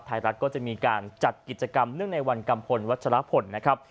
ไทยรัฐก็จะมีการจัดกิจกรรมเนื่องในวันกัมพลวัชรพลนะครับ